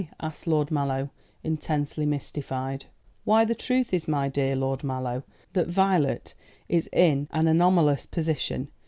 asked Lord Mallow, intensely mystified. "Why, the truth is, my dear Lord Mallow, that Violet is in an anomalous position.